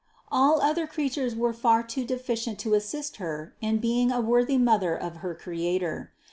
All other creatures were far too deficient to assist Her in being a worthy Mother of her Creator.